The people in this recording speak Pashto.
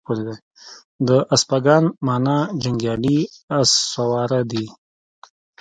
د اسپاگان مانا جنگيالي اس سواره دي